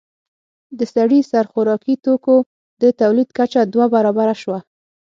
د سړي سر خوراکي توکو د تولید کچه دوه برابره شوه